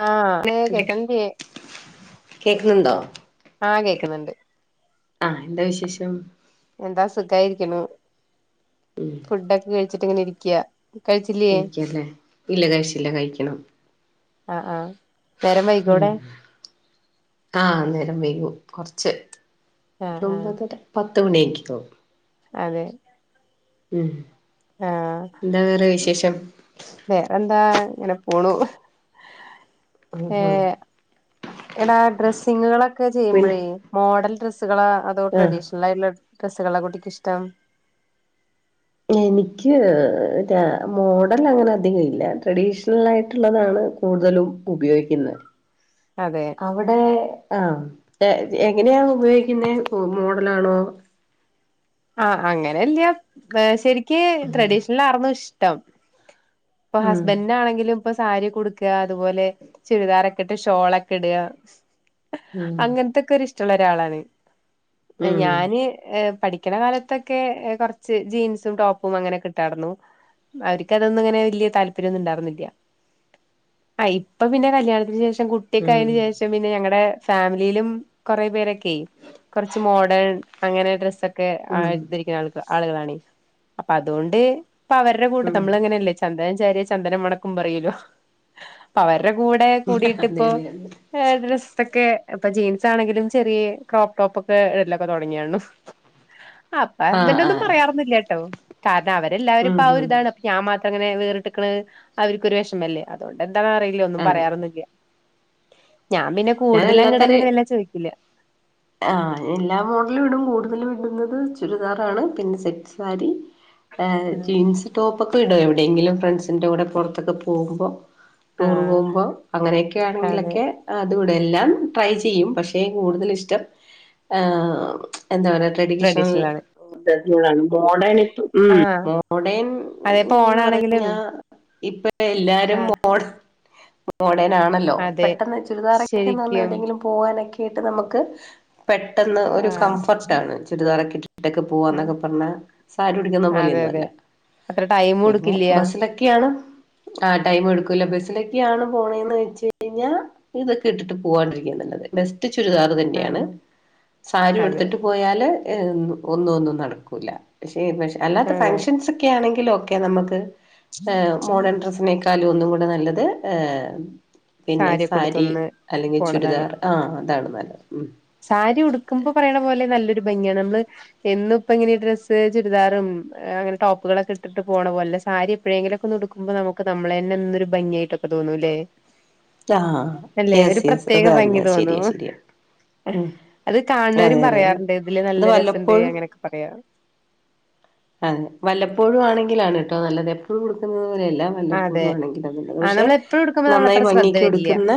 ആ കേക്ക്‌ന്ന്ണ്ടോ ആ കേക്ക്‌ന്ന്ണ്ട് ആഹ് എന്താ വിശേഷം എന്താ സുഖയിരിക്കുണു ഫുഡൊക്കെ കഴിച്ചിട്ട് ഇങ്ങനെ ഇ ക്ക്യാ ഇരിക്കല്ലേ ഇല്ല കഴിച്ചില്ല കഴിക്കണം ആഹ് ആഹ് നേരം ഉം വൈകോടെ ആ നേരം വൈകും കൊറച്ച് ആഹ് ആഹ് ഒരൊമ്പതര പത് [unintelligible] അതെ ഉം ആഹ് എന്താ വേറെ വിശേഷം വേറെന്താ ഇങ്ങനെ പോണു ഉം ഏ ഉം എടാ ഡ്രസ്സിങ്ങ്കളൊക്കെ പിന്നെ ചെയ്യുമ്പോഴേ മോഡൽ ഡ്രസ്സ്‌ കളോ അതോ ആഹ് ട്രഡീഷണലായി ഡ്രസ്സ്‌കളാ കുട്ടിക്കിഷ്ടം എനിക്ക് മോഡൽ അങ്ങനെ അധികം ഇല്ല ട്രഡീഷണൽ ആയിട്ടുള്ളതാണ് കൂടുതലും ഉപയോഗിക്കുന്നെ അതെ അവിടെ ആ ഇത് എങ്ങനെയാ ഉപയോഗിക്കുന്നെ മോഡലാണോ ആ അങ്ങനെയല്ല്യ വേ ശരി ക്ക് ഉം ട്രഡീഷണലാറ്ന്നു ഇഷ് ടം ഇപ്പം ഉം ഹസ്ബൻഡിനാണെങ്കിലും ഇപ്പൊ സാരിയൊക്കുട്ക്ക അതുപോലെ ചുരിദാറൊക്കെയിട്ട് ഷോളൊക്കേ ഇട ഉം അങ്ങനത്തെക്കൊരിഷ് ട്ടള്ളോരാളാണ് ഇപ്പം ഉം ഞാന് ഏ പഠി ഠിക്കണ കാലത്തൊക്കെ ഏ കുറച്ച് ജീൻസും ടോപ്പും അങ്ങനെയൊക്കേട്ടാരുന്നു അവരിക്കതൊന്നുങ്ങനെ വല്ല്യയ താല്പര്യൊന്നും ഇണ്ടാരുന്നില്ല ആ ഇപ്പൊ പിന്നെ കല്യാണത്തിന് ശേഷം കുട്ടിയൊക്കെ ആയേനു ഉം ശേഷം പിന്നെ ഞങ്ങടെ ഫാമിലിയിലും കുറെ പേരൊക്കെ കൊറച്ച് മോഡേൺ അങ്ങനെ ഡ്രസ്സൊ ഒക്കെ ഉം അയ് ധരിക്കുന്നാള്കള ആള്കളാണ് അപ്പൊ അതോണ്ട് അപ്പോ അവര്ടെ കൂടെ ഉം നമ്മളങ്ങനെയല്ലെ ച് ചന്ദനം ചാരിയാ ചന്ദനം മണക്കും പറയൂലോ പ്പോ അവ രുടെ കൂടെ അതെ അതെ അതെ കൂടിയിട്ടിപ്പോഎ ഡ്രസ്സൊക്കെ ഇപ്പൊ ജീൻസാണെങ്കിലും ചെറിയെ ക്രോപ് ടോപ്പൊക്കെ ഇടലൊക്കെ തൊട ടങ്ങിയണു അപ്പ ആഹ് ഹസ്ബന്റൊന്നും ആഹ് പറയാറൊന്നുല്ല്യട്ടോ താൽ അവരെല്ലാവും ഉം ഇപ്പ ആ ഉം ഒരിതാണ് പ്പ ഞാമാത്രം അങ്ങനെ വേറിട്ടിക്കണെ അവര്ക്കൊരു വെഷ്മവല്ലേ അതുകൊണ്ട് എ ന്താന്നറിയില്ല ഒന്നും അതെ പറയാറൊന്നുല്ല്യ ഞാൻ പിന്നെ കൂടുതല് അങ്ങട്ട് അങ്ങട്ട് വല്ലാതെ ചോയ്ക്കില്ല ആ എല്ലാ മോഡലും ഇടും കൂടുതലിടുന്നത് ചുരിദാറാണ് പിന്നെ സെറ്റ് സാരി ഹേ ജീൻസ് ടോപ്പ് ഇപ്പ ഇടും എവിടെങ്കിലും ഫ്രണ്ട്സിന്റെ കൂടെ പോർത്തൊക്കെ പോവുമ്പം ടൂറ് ആഹ് പോവുമ്പോ അങ്ങനെക്കെ അതെ ആണെങ്കിലൊക്കെ അത് ഇ തെല്ലാം ട്രൈ ചെയ്യും പക്ഷേ കൂടുതലിഷ്ടം ആ എന്താ പറയാ ട്രഡീഷണൽ [unintelligible] [unintelligible] മോഡേണ് ആഹ് ഉം മോഡേൺ അതെപ്പോ എന്ന് ഓണാണെങ്കിലും പറഞ്ഞാ ഇപ്പ എല്ലാരും ആഹ് മോഡേ മോഡേ ഡേനാണല്ലോ അതെ പെട്ടെന്ന് [unintelligible] ശരിക്കും എവിടെങ്കിലും പോവാനെക്കെ കേട്ട് നമ്മക്ക് പെട്ടെന്ന് ഒരു ആഹ് കംഫർട്ടാണ് ചുരിദാറൊക്കെ ഇട്ടിട്ടൊക്കെ പോവാന്നൊക്കെ പർഞ്ഞാ സാരി ഉടുക്കുന്ന അതെ പോലെയൊന്നും അല്ല അതെ അത്ര ടൈമും പിന്നെ എടുക്കില്ല ബസ്സിലൊക്കെയാണ് ആ ടൈമും എടുക്കൂല്ല ബസ്സിലൊക്കെയാണ് പോണേന്ന് വെച്ച് കഴിഞ്ഞാ ഇതൊക്കെ ഇട്ടിട്ട് പോവാണ്ടിരിക്കാ നല്ലത് ബസ് റ്റ് ചുരിദാർ തന്നെയാണ് ആഹ് സാരി അതെ ഉടുത്തിട്ട് പോയാല് എ ഏ ഒന്നു ഒന്നും നടക്കൂല്ല. [unintelligible] അല്ലാത്ത അതെ ഫങ്ഷൻസൊക്കെ യാണെങ്കി ല് ഒക്കെ നമ്മക്ക് ഏഹ് മോഡേൺ ഡ്രസിനെ ട്ടാലും ഒന്നും കൂടെ നല്ലത് ഏ പിന്നെ സാരിയൊക്കെ സാരി ഉടുത്തൊന്ന് അല്ലെങ്കി പോണതാണ് ചുരിദാർ ആ അതാണ് [unintelligible] ഉം സാരി ഉടുക്കുമ്പോ പറയണ പോലെ നല്ലൊരു ഭംഗിയാണ് നമ്മള് എന്നുപ്പ ഇങ്ങനെ ഡ്രസ്സ് ചുരിദാറും അങ്ങനെ ടോപ്പുകളൊക്കെ ഇട്ടിട്ട് പോണ പോലെല്ല സാരി എപ്പഴെങ്കിലൊക്കെ ഒന്ന് ഉടുക്കുമ്പോ നമുക്ക് നമ്മളെ ന്നെ എന്തൊരു ഭംഗിയായിട്ടൊക്കെ തോന്നുല്ലേ ആ യെസ് യെസ് പ്രത്യേക അത് ഭംഗി പർഞ്ഞത് ശെരിയാ തോന്നും ശെരിയാ അത് കാണ് ണോരും പറയാറ്ണ്ട് ഇതില് അത് നല്ല രസണ്ട് വല്ലപ്പോഴും അങ്ങനെയൊക്കെ പറയാറ അതെ വല്ലപ്പോഴും ആണെങ്കിലാണ് എട്ടോ നല്ലത് എപ്പഴും ഉടുക്കുന്നത് പോലല്ല വല്ലപ്പോഴും അതെ ആണെങ്കില് അത് ആ പക്ഷെ നമ്മള് എപ്പഴും ഉടുക്കുമ്പോ നന്നായി നമ്മളത്ര ശ്രദ്ധ ഭംഗിക്ക് വരില്ല ഉടുക്കുന്ന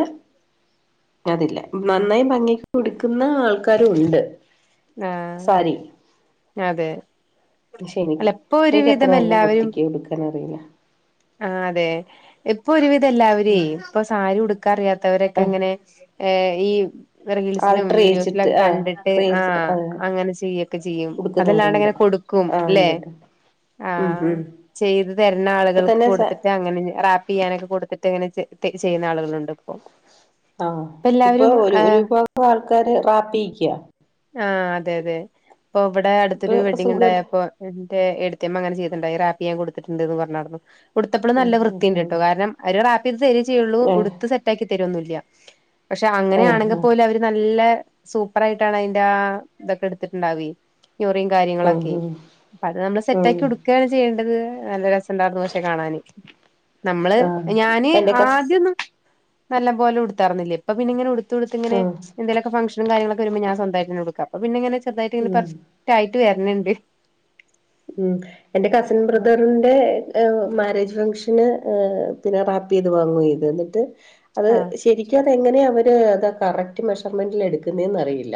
അതില്ല നന്നായി ഭംഗിക്ക് ഉടുക്കുന്ന ആൾക്കാരു ഉണ്ട് സാരി ആഹ് അതെ പക്ഷെ അല്ല എനിക്ക് ഇപ്പൊ എനിക്ക് അത്ര ഒരുവിധം നല്ല എല്ലാവരും വൃത്തിക്ക് ഉടുക്കാൻ അറിയില്ല ആ അതെ ഇപ്പൊ ഒരുവി ധല്ലാവരേ ഇപ്പൊ സാരി ഉടുക്കാ അറിയാത്തവരൊക്കെ ആ ഇങ്ങനെ ഏ ഈ റീൽസിലും ആൾട്ടർ ചെയ്യിച്ചിട്ട് വീഡിയോസിലൊക്കെ ആ കണ്ടിട്ട് റീൽസ് ആഹ് ആ അങ്ങനെ ചെയ്യ ക്കെ ചെയ്യും അതല്ലാണ്ട് ഉടുക്കുന്നവരുണ്ട് ഇങ്ങനെ കൊടുക്കും ആ അല്ലെ ഉണ്ട്ണ്ട് ഉം ആഹ് ഉം ചെയ്ത് തരണ ഇപ്പൊ ആളുകൾക്ക് തന്നെ സ കൊടുത്തിട്ട് അങ്ങനെ റാപ്പ് ചെയ്യാനൊക്കെ കൊടുത്തിട്ട് ത് ഇങ്ങനെ ചെയ്യുന്ന ആളുകളുണ്ട് ഇപ്പൊ ആഹ് ഇപ്പ ഇപ്പൊ എല്ലാവരും ഒരു ഒരു ഏഹ് വിഭാഗം ആൾക്കാര് റാപ്പയിക്കാ ആഹ് അതെ അതെ ഇപ്പൊ ഇവിടെ ഇപ്പൊ അടുത്തൊരു വെഡിംഗ് സുഖല്ല ഉണ്ടായപ്പോ എന്റെ എ അങ്ങനെ ചെയ്തിണ്ടായി അങ്ങനെ റാപ്പയ്യാൻ കൊടുത്തിട്ടുണ്ട്ന്ന് പറഞ്ഞാർന്നു ഉടുത്തപ്പളും ഉം നല്ല ഉം വൃത്തിണ്ട് ഉം ട്ടോ കാരണം [unintelligible] ചെയ്യുള്ളൂ ഏ ഉടുത്ത് സെറ്റാക്കി തരൊന്നി ല്ല പക്ഷെ ഏ അങ്ങനെയാണെങ്കിൽ ആ പോലും അവര് നല്ല സൂപ്പർ ആയിട്ടാണ് അയിൻ്റെ ആ തൊക്കെ എടുത്തിട്ടുണ്ടാവേ ഞൊറിം ഉം കാര്യങ്ങളൊക്കെ ഉം അപ്പ അത് നമ്മള് സെറ്റ് ഉം ആക്കി ഉടുക്കാണ് ചെയ്യേണ്ടത് നല്ല രസം ഇണ്ടായിർന്നു പക്ഷെ കാണാന് നമ്മള് ആ ഞാന് എന്റെ കസ് ആദ്യൊന്നും നല്ലം പോലെ ഉടുത്താറ്ന്നില്ലേ ഇപ്പൊ പിന്ന ഇങ്ങനെടുത്ത്ടുത്ത് ഇങ്ങനെ ആ എന്തങ്കിലൊക്കെ ഫംഗ്ഷനും കാര്യങ്ങളൊക്കെ വരുമ്പോ ഞാൻ സ്വന്തായിട്ടന്നെ ഉടുക്കാ [unintelligible] പിന്നെങ്ങനെ ായിട്ട ഉം പഫക് ആയി് [unintelligible] ട്ട് വരണിണ്ട് ഉം എന്റെ കസിൻ ബ്രദറിന്റെ മാര്യേജ് ഫങ്ക്ഷന് ഏ പിന്നെ റാപ്പ് വാങ്ങുവ ചെയ്‌ത് എന്നിട്ട് അത് ആഹ് ശരിക്കും അതെങ്ങനെയാ അവൻ ഇത് ഏതാ കറക്റ്റ് മെഷർമെന്റിൽ എടുക്കുന്നേന്ന അറിയില്ല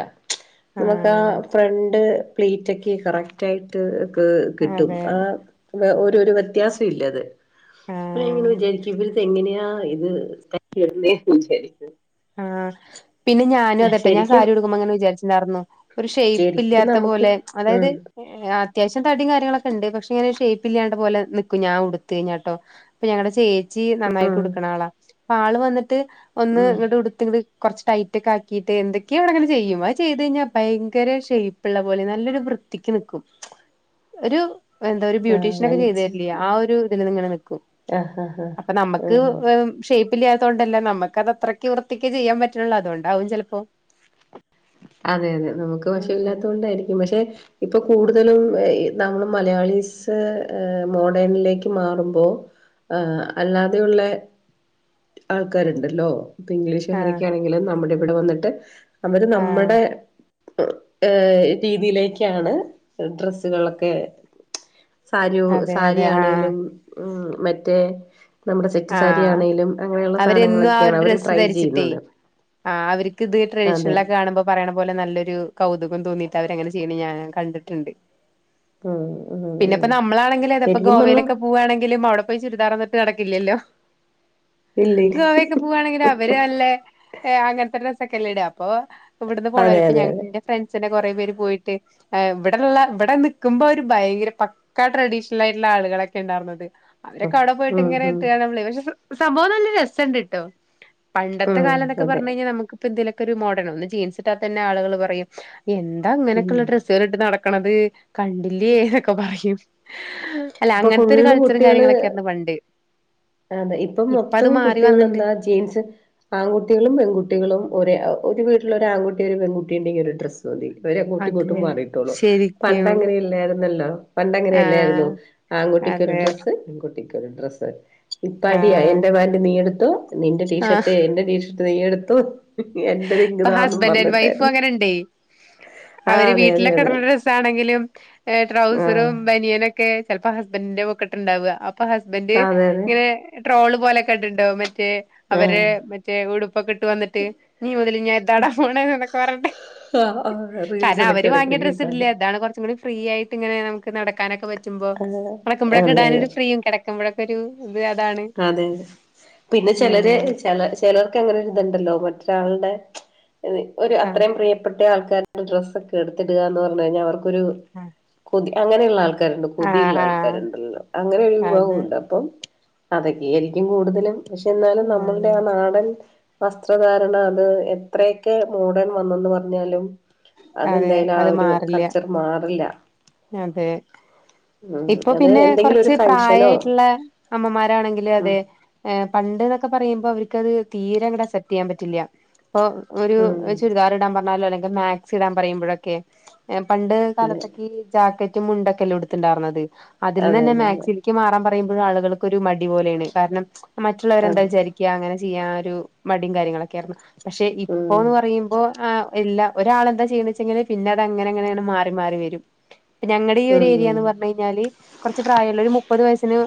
നമുക്ക് ആ ആഹ് ഫ്രണ്ട് പ്ലീറ്റൊക്കെ കറക്റ്റായിട്ട് ക്‌ കിട്ടും അതെ ആ [unintelligible] ഒരു വ്യത്യാസം ഇല്ല അത് ആഹ് എങ്ങനെ വിചാരിക്കും ഇവര് ഇതു എങ്ങനെയാ ഇത് [unintelligible] ആ പിന്നെ ഞാനും അതേട്ടാ ഞാൻ ശരിക്കും സാരി ഉടുക്കുമ്പോൾ അങ്ങനെ വിചാരിച്ചുണ്ടായിരുന്നു ഒരു ശരിക്കും ഷേപ്പില്ലാത്ത നമുക്ക് പോലെ അതായത് ഉം അത്യാവശ്യ ഞാൻ തടിയും കാര്യങ്ങളൊക്കെ ഉണ്ട് പക്ഷെ ഇങ്ങനെ ഷേപ്പില്ലാണ്ട് പോലെ നിക്കും ഞാൻ ഉടുത്ത് കഴിഞ്ഞട്ടോ അപ്പോ ഞങ്ങടെ ചേ ച്ചി നന്നായിട്ട് ഉം ഉടുക്കണ ആളാ പ്പാ ആള് വന്നി ട്ട് ഒന്ന് ഉം കൊറച്ച് ടൈറ്റ് ഒക്കെ ആക്കിട്ട് എന്തൊക്കെയോ അവിടെങ്ങനെ ചെയ്യും അത് ചെയ്ത് കഴിഞ്ഞാൽ ഭയങ്കര ഷേപ്പ് ഉള്ള പോലെ നല്ലൊരു വൃത്തിക്ക് നിക്കും ഒരു എന്താ ഒരു ആ ബ്യൂട്ടീഷ്യൻ ഒക്കെ ചെയ്തു വലിച്ച് തരില്ലേ ആ ഒരു ഇതിന് ഇങ്ങെനെ നിൽക്കും ആഹ് ആഹ് അപ്പോ ആഹ് നമുക്ക് ആഹ് ഷേ ഇല്ലാത്തതുകൊണ്ടല്ലേ നമുക്കത് അത്ര ക്ക്‌ വൃത്തിക്ക് ചെയ്യാൻ പറ്റണില്ല അതുകൊണ്ടാവും ചേലപ്പോ അതെ അതെ നമുക്ക് വശമില്ലാത്തതുകൊണ്ട് ആയിരിക്കും പക്ഷെ ഇപ്പോ കൂടുതലും നമ്മൾ മലയാളിസ് മോഡേണിലേക്ക് മാറുമ്പോൾ അല്ലാതെയുള്ള ആൾക്കാരുണ്ടല്ലോ ഇപ്പോ ആഹ് ഇംഗ്ലീഷുകാരൊക്കെ ആണെങ്കിലും നമ്മുടെ ഇവിടെ വന്നിട്ട് അവര് നമ്മ ആഹ് ഏ രീതിയിലേക്കാണ് ഡ്രസ്സുകൾ ഒക്കെ സാരിയോ അതെ അതെ ആഹ് സാരിയാണെലും ഉം മറ്റേ നമ്മുടെ സെറ്റ് ആ സാരി ആണേലും അങ്ങനെയുള്ള അവര് എന്നും ആ സാധനങ്ങളൊക്കെയാണ് ഒരു അവര് ഡ്രസ്സ് ട്രൈ ധരിച്ചിട്ടേ ചെയ്യുന്നത്. ആ അവര്ക്ക് ഇത് അതെ. ട്രഡീഷണലൊക്കെ കാണുമ്പോ പറയണ പോലെ നല്ലൊരു കൗതുകം തോന്നിയിട്ട് അവര് അങ്ങനെ ചെയ്യണ ഞാൻ കണ്ടിട്ടുണ്ട് ഉം ഉം പിന്നെ ഉം ഇപ്പ നമ്മളാണെങ്കിലും അതെ ഇപ്പ ശരിക്കും പറഞ്ഞ ഗോവയിലൊക്കെ പോവുകവാണെങ്കിലും അവിടെ പോയി ചുരിദാർ ഒന്നും ഇട്ടു നട ഇല്ലല്ലോ ഇല്ലേ ഗോവ ഒക്കെ പൂവാണേല് ഇവരൂഅല്ലേ ഏ അങ്ങനത്തെ ഡ്രസ്സ് ക്കെല്ലട അപ്പൊ ഇവിടുന്ന് പോവും അതെ ഇപ്പ അതെ ഞൻ അതെ ഫ്രണ്ട്സിനെ കൊറെേ പേര് പോയിട്ട്് ഇവിടെള്ള ഇവിടെ നിക്കുമ്പോ ഒരു ഭയങ്കര പക്ക ട്രഡീഷണൽ ആയിട്ടുള്ള ആളുകളൊക്കെ ഉണ്ടായിരുന്നത് അവരൊക്കെ അടെ പോയിട്ട് ഉം ഉം [unintelligible] സംഭവംല്ല രസണ്ട് കട്ടോ പണ്ടത്തെ ഉം കാലംന്നോക്കെ അതെ പറഞ്ഞു കഴിഞ്ഞൽ നമുക്കിപ്പോ എന്തെലും ഒരു മോഡേൺ ഒന്ന് ജീൻസ് ഇട്ടാ തന്നെ ആളുകൾ പറയും എന്താ ഉം അങ്ങനക്കുള്ള ഡ്രസ്സ്കൾ ഇട്ട് നടക്ക കക്കണത് കണ്ടില്ലേ എന്നൊക്കെ പറയും അല്ല ഇപ്പൊ അങ്ങനത്തെ ഒരു ഫുള്ള് കൾച്ചറും കുട്ടികള് കാര്യങ്ങളൊക്കെർന്ന് പണ്ട് അതെ ഇപ്പം ഇപ്പ അത് മൊത്തം മാറി കുട്ടികൾ വന്നിണ്ട് എന്താ ജീൻസ് ആൺകുട്ടികളും പെൺകുട്ടികളും ഒ ഒരു വീട്ടില ഒരു ആൺുട്ടിയ ഒരു പെൺകുട്ടുണ്ടെങ്കിൽ ഒരു ഡ്രസ് തോി ഇരെ കൂട്ടി കൂട്ടി അതെ മാറിയിട്ടുള്ളൂ പണ്ട ശരിക്കും അങ്ങനെ ഇല്ലേ നല്ല പണ്ടങ്ങനെയല്ലായിരുന്നു ആഹ് ആൺകു ക്കൊരു അതെ ഡ്രസ്സ് പെൺകുട്ടിക്ക് ഒര് ഡ്രസ്സ്‌ ഡ്രസ് ഇപ്പ അടിയാ ആഹ് എന്റെ പാന്റ് നീ എടുത്തു നിന്റെ ആഹ് ടീഷർട്ട് എന്റെ ടീഷർട്ട് [unintelligible] എടുത്തു ഇപ്പൊ ഹസ്ബന്ഡ ആൻഡ് വൈഫും അങ്ങനെണ്ടേ ആ അവര് അതെ അതെ വീട്ടിലൊക്കെ അതെ ഇട ഡ്രസ്സ ആണെങ്കിലും ആ ട്രൗസറും ബനിയനൊക്കെ ചിലപ്പോ ഹസ്ബന്ഡന്റെ പൊക്കെട്ടുണ്ടാവ അപ്പ ഹസ്ബന്ഡ് അതെ അതെ ഇങ്ങനെ ട്രോള് പോലെെ കണ്ട്ണ്ടോ മെ റ്റേ ആ അവരെ മറ്റേ ഉടുപ്പൊക്കെട്ട് വന്നിട്ട് നീ മുതല് ങ്ങി ഏട്ടാടാ പോണ ന്നൊക്കെ പർഞ്ട്ട് ആ ആ കാരണം റീൽസിലൊക്കെ അവര് വാങ്ങിയ ഇടക്കിടക്ക് ഡ്രസ്സിടല്ലെ കാണാം താണ് കൊർച്ചും കൂടി ഫ്രീ ആയിട്ടിങ്ങനെ നമുക് നടക്കാനൊക്ക പറ്റ് മ്പോ ആ കെടക്കുമ്പഴക്കെ ഇടാനൊരു ഫ്രീയും കെടക്കുമ്പഴൊക് ഒരു ഉം അതെതെ പിന്നെ ചിലര് ആഹ് ച ചിലർക്ക് അങ്ങനെരിതുണ്ടല്ലോ മറ്റ [unintelligible] ഒരു ആഹ് അത്രയും പ്രിയപ്പെട്ട പഴയ ആൾക്കാരുടെ ഡ്രസ്സൊക്കെ എടുത്ത് ഇടുക എന്ന് പറഞ്ഞു കഴിഞ്ഞാൽ അവർക്ക് ഒരു കൊതി അങ്ങനെയുള്ള ആൾ ആൾക്കാരുണ്ട് ആഹ് കൊതിയുള്ള ആഹ് ആഹ് ആൾക്കാരുണ്ടല്ലോ അങ്ങനെ ഒരു അത് വിഭാഗമുണ്ട് അപ്പം അതൊക്കെ ആരിക്കും കൂടുതലും പക്ഷെ എന്നാലും നമ്മളുടെ ആഹ് ആ നാടൻ വസ്ത്രധാരണ അത് എത്രയൊക്കെ മോഡേൺ വന്നെന്ന് പറഞ്ഞാലും അതെ അതെന്തായാലും അത് ആ ഒരു മാറില്ല കൾച്ചർ മാറില്ല അതെ ഉം ഇപ്പൊ അത് പിന്നെ എന്തെങ്കിലും ഒരു കൊറച്ച് പ്രായം ഫങ്ഷനോ ആയിട്ടുള്ള അമ്മമാര് [unintelligible] ഉം അതെ പണ്ട് എന്നൊക്കെ പറയുമ്പോ എനിക്ക് അത് തീരെ അങ്ങോട്ടു അസെപ്റ്റ് ചെയ്യാൻ പറ്റില്ല ഇപ്പൊ ഒരു ഉം ചുരിദാർ ഇടാൻ പറഞ്ഞാലോ അല്ലെങ്ക മാക്സി ഇടാൻ പറയുമ്പോഴൊക്കെ പണ്ട് അതെ കാലത്തൊക്കെ സെറ്റും മുണ്ടൊക്കെയല്ലേ ഉടുത്തുണ്ടാരുന്നത് അതിൽ നിന്ന് അതെ തന്നെ അതെ അതെ മാക്സിലേക്ക് മാറാൻ പറ പറയുമ്പോഴും ആളുകൾക്ക് ഒരു മടി പോലെയാണ് കാരണം മറ്റുള്ളവരെന്താ അതെ വിചാരിക്കാ അങ്ങനെ ചെയ്യാൻ ഒരു മടിയും കാര്യങ്ങളൊക്കെ ആരുന്നു പക്ഷെ ഉം ഇപ്പോന്ന് പറയുമ്പോ ആ ഇല്ല ഒരാൾയെന്താ ചെയ്യണിച്ചെങ്കിൽ പിന്നെ അത് അങ്ങനെ അങ്ങനെയാണ് മാറി മാറി വരും ഇപ്പ ഞങ്ങളുടെ ഈ ഒരു ഉം ഏരിയ എന്ന് പറഞ്ഞ് കഴിഞ്ഞാല് കൊറച്ച് പ്രായമുള്ള ഒരു മുപ്പത് വയസിന്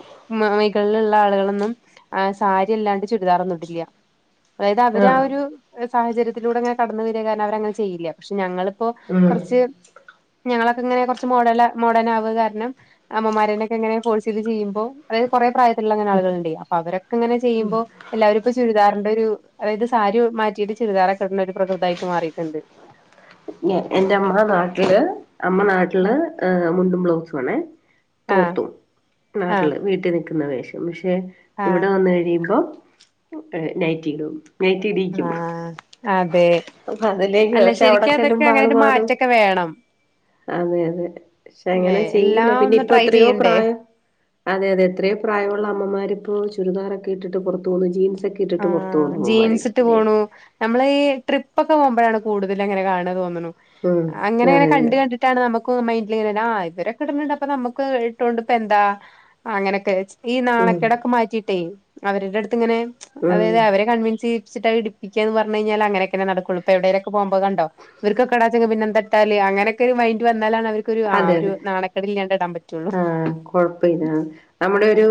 മ മൈകളിലുള്ള ആളുകളൊന്നും ആ സാരിയല്ലാണ്ട് ചുരിദാറന്നൊടില്ല ഇത് അവര് ആ ആഹ് ഒരു സാഹചര്യത്തിലൂടെ അങ്ങനെ കടന്ന് വരുന്നകാരണം അവര് അങ്ങനെ ചെയ്യില്ല പക്ഷെ ഞങ്ങള് ഓ ഉം കുറച്ച് ഞങ്ങള ഇങ്ങനെ കുറച്ച് മോഡൽ മോഡേൺ ആവുക കാരണം അമ്മമാരനൊക്കെ എങ്ങനെ ഫോഴ്സ് ചെയ്ത് ചെയ്യുമ്പോ അതായത് കുറെ പ്രായത്തിലുള്ളങ്ങനെ ആളുകളുണ്ടെ അപ്പൊ അവരൊക്കെങ്ങനെ ചെയ്യുമോ എല്ലാവരും ഇപ്പൊ ചുരിദാറന്റെ ഒരു അതായത് സാരി മാറ്റിയിട്ട് ചുരിദാറൊക്കെ ഇടുന്ന ഒരു പ്രകൃതായിട്ട് മാറിയിട്ടുണ്ട് എന്റെ അമ്മ നാട്ടില് അമ്മ നാട്ടില് ആ മുണ്ടും ബ്ലൗസ് ആണ് ആ തോർത്തും ആ നാട്ടില് വീട്ടി ക്ക്ന്ന വേഷം ഇഷ് ക്ഷെ ആ ഇവിടെ വന്ന് കഴിയുമ്പം എ നൈറ്റി ടും. നൈറ്റി ഇടിക്കും ആ അതെ അപ്പ അതിലേക്ക് അല്ല പക്ഷെ അവിടെ ശരിക്കും അതൊക്കെ അപ്പാള് അങ്ങനൊരു മാറും മാറ്റൊക്കെ വേണം അതെ അതെ പക്ഷെ അല്ലെ അങ്ങനെ ചെയ്യില്ല എല്ലാം പിന്ന ഒന്ന് ഇപ്പൊ ട്രൈ എത്രയോ ചെയ്യണ്ടേ പ്രായം അതെ അതെ എത്രയോ പ്രായമുള്ള അമ്മമാരിപ്പോ ചുരിദാറൊക്കെ ഇട്ടിട്ട് പുറത്ത് പോന്നു ജീൻസ് ആ ജീൻസിട്ട് പോണു നമ്മള് ഈ ട്രിപ്പൊക്കെ പോകുമ്പോഴാണ്. കൂടുതൽ അങ്ങനെ കാണ തോന്നുന്നു ഉം അങ്ങനെ അതെ അങ്ങനെ അതെ കണ്ട് കണ്ടിട്ടാണ് നമുക്ക് മന് ആ ഇവരൊക്കെ കിട്ന്ണ്ട് അപ്പൊ നമുക്ക് ഇട്ടോണ്ട് ഇപ്പ എന്താ അങ്ങനെയൊക്കെ ഈ ഉം നാണക്കെട്ടെക്കെ മാറ്റിട്ടേ അവരുടെ അടുത്ത് ഇങ്ങനെ ഉം അതായത് അവരെ കൺവിൻസ് വെച്ചിട്ട് എടിപ്പിക്കാന്ന് പറഞ്ഞയ്ഞ്ഞാല് അങ്ങനൊക്കെ നടുകൊള്ളൂ ഇപ്പ എവിടെലൊക്കെ പോക്മ്പോ കണ്ടോ ഇവർകൊക്കെ ഇടാച്ചാങ്കില് പിന്നെ ന്താ ഇട്ടാല് അങ്ങനൊക്കെ മൈൻഡ് വന്നാ അതെ അതെ ഇടാൻ പറ്റുള്ളൂ ആഹ് കൊഴപ്പല്ല നമ്മുടെ ഒരു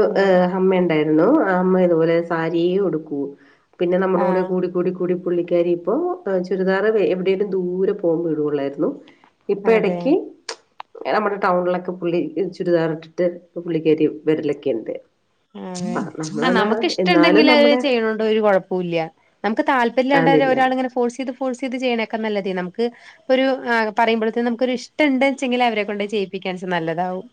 അമ്മ ഇണ്ടായിരുന്നു ആ അമ്മ ഇതുപോലെ സാരി യെ ഉടുക്കൂ പിന്നെ നമ്മുടെ കൂടെ ആഹ് കൂടി കൂടി കൂടി പുള്ളിക്കാരി ഇപ്പോ ചുരിദാറ് എവിടെലും ദൂരെ പോവുമ്പോ ഇടുവൊള്ളായിരുന്നു. ഇപ്പ അതെ ഇടക്ക് നമ്മടെ ടൗണിലൊക്കെ പുള്ളി ചുരിദാർ ഇട്ടിട്ട് പുള്ളിക്കരി വെരലൊക്കെണ്ട് ആ ആ നമക്ക് എന്നാലും ഇഷ്ടണ്ടങ്കില് അഹ് നമ്മുടെ ചെയ്യണോണ്ട് ഒരു കൊഴപ്പുല്ല നമക്ക് താല്പര്യല്ലാണ്ടയത്ത് അതില്ല ഒരാള് ഇങ്ങനെ ഫോഴ്സ് ചെയ്ത് ഫോഴ്സ് ചെയ്ത് ചെയ്യണ ക്ക നല്ലതെ നമുക്ക് ഒരു ആ പറയുമ്പോഴതിന് നമുക്കൊരു ഇഷ്ടണ്ട്ച്ചെങ്കിലെ അവരെ കൊണ്ട് ചെയ്യിപ്പിക്കാൻ നല്ലതാവും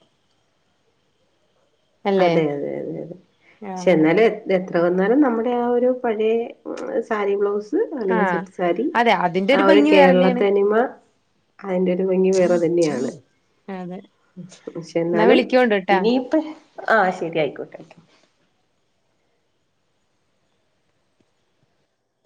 അല്ലേ അതെ അതെ അതെ അതെ പക്ഷെ ആഹ് എന്നാലും എത്ര വന്നാലും നമ നമ്മുടെ ആ ഒരു പഴയ സാരി ബ്ലൗസ്. അല്ലെങ്കിൽ ആഹ് സെറ്റ്സാരി അതെ അതിന്റെ ആ ഒരു ഭംഗി കേരള വേറെന്നേണ് തനിമ അതിന്റെ ഒരു ഭംഗി വെറെ തന്നെയാണ് അതെ പക്ഷെ എന്നാ എന്നാലും വിളിക്കോണ്ടുട്ടാ ഇനിയിപ്പ ആഹ ശരി ആയിക്കോട്ടെ